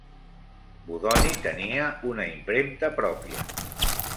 Bodoni tenia una impremta pròpia.